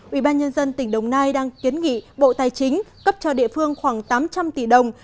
ủy ban nhân dân tỉnh đồng nai đang kiến nghị bộ tài chính cấp cho địa phương khoảng tám trăm linh tỷ đồng